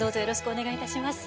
お願いいたします。